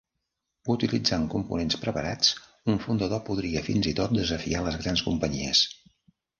Utilitzant components preparats, un fundador podria fins i tot desafiar les grans companyies.